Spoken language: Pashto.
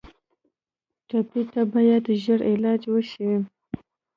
ټپي ته باید ژر علاج وشي.